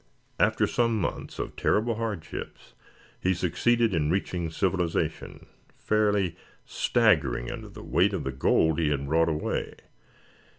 After some months of terrible hardships he succeeded in reaching civilization, fairly staggering under the weight of the gold he had brought away.